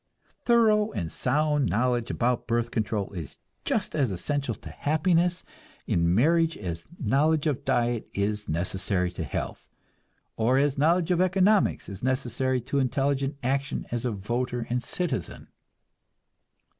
Thorough and sound knowledge about birth control is just as essential to happiness in marriage as knowledge of diet is necessary to health, or as knowledge of economics is necessary to intelligent action as a voter and citizen.